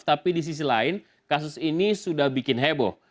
tapi di sisi lain kasus ini sudah bikin heboh